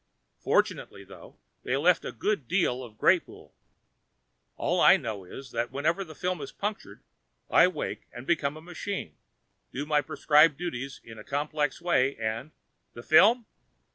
Fortunately, though, they left a good deal of Greypoole. All I know is that whenever the film is punctured, I wake and become a machine, do my prescribed duties in a complex way and " "The film?"